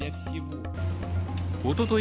おととい